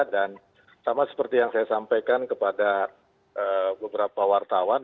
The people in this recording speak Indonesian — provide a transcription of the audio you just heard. dan sama seperti yang saya sampaikan kepada beberapa wartawan